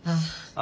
あ。